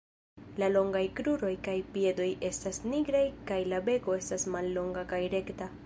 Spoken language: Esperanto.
La longaj kruroj kaj piedoj estas nigraj kaj la beko estas mallonga kaj rekta.